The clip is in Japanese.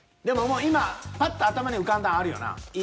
でももう今パッと頭に浮かんだんあるよな？